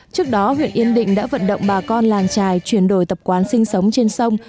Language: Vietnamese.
trước đó huyện yên định đã vận động bà con làng trài chuyển đổi tập quán sinh sống trên sông